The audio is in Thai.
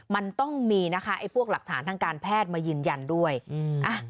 มันต้องมีนะคะไอ้พวกหลักฐานทางการแพทย์มายืนยันด้วยอืมอ่ะ